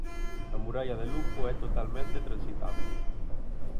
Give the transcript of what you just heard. A muralla de Lugo é totalmente transitable.